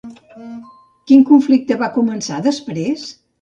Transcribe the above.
Quin conflicte va començar després?